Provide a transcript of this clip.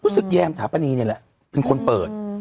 รู้สึกแย่มถามอันนี้เนี้ยแหละเป็นคนเปิดอืม